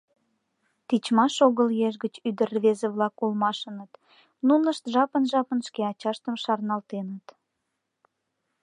Тичмаш огыл еш гыч ӱдыр-рвезе-влак улмашыныт, нунышт жапын-жапын шке ачаштым шарналтеныт.